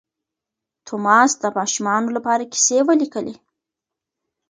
توماس د ماشومانو لپاره کیسې ولیکلې.